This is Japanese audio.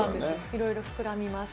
いろいろ膨らみます。